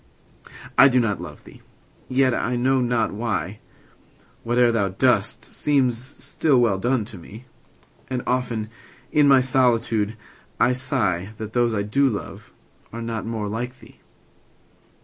I do not love thee!—yet, I know not why, 5 Whate'er thou dost seems still well done, to me: And often in my solitude I sigh That those I do love are not more like thee!